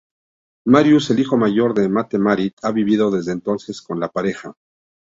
Marius, el hijo mayor de Mette-Marit, ha vivido desde entonces con la pareja.